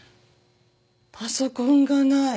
パソコンがない。